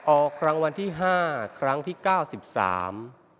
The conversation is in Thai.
ออกรางวัลที่ห้าครั้งที่เก้าสิบสาม